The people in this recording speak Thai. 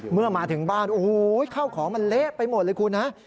เมื่อมาถึงบ้านโอ้โหเข้าของมันเละไปหมดเลยคุณฮะ